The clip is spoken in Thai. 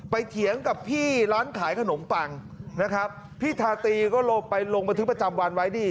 เถียงกับพี่ร้านขายขนมปังนะครับพี่ทาตีก็ลงไปลงบันทึกประจำวันไว้นี่